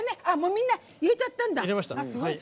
みんな入れちゃったんだ。